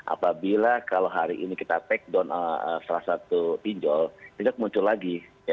apabila kalau hari ini kita take down salah satu pinjol tidak muncul lagi